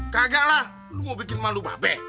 kagak lah lu mau bikin malu babe